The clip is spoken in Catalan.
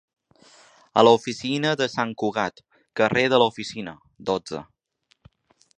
A la oficina de Sant Cugat carrer de la oficina, dotze.